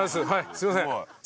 すいません。